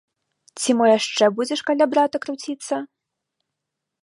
Ці мо яшчэ будзеш каля брата круціцца?